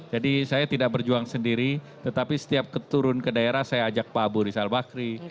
jadi saya tidak berjuang sendiri tetapi setiap keturun ke daerah saya ajak pak abu rizal bakri